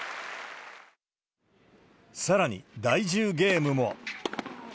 さらに、第１０ゲームも。